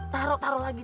taruh taruh lagi